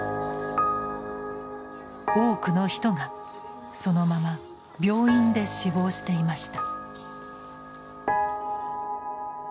多くの人がそのまま病院で死亡していました。